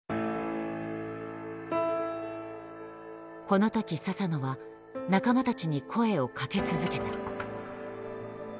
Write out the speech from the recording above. この時佐々野は仲間たちに声をかけ続けた。